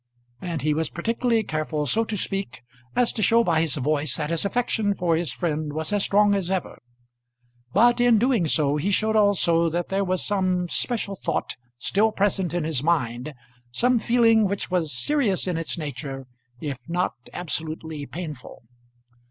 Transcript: and he was particularly careful so to speak as to show by his voice that his affection for his friend was as strong as ever. But in doing so he showed also that there was some special thought still present in his mind, some feeling which was serious in its nature if not absolutely painful.